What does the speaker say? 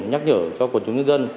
nhắc nhở cho quần chúng nhân dân